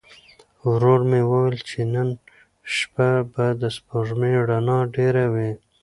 ورور مې وویل چې نن شپه به د سپوږمۍ رڼا ډېره وي.